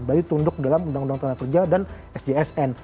berarti tunduk dalam undang undang tenaga kerja dan sjsn